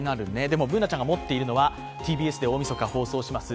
でも、Ｂｏｏｎａちゃんが持っているのはＴＢＳで大みそか放送します